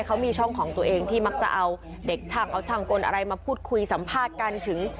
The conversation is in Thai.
เขามีช่องของตัวเองที่มักจะเอาเด็กช่างเอาช่างกลอะไรมาพูดคุยสัมภาษณ์กันถึง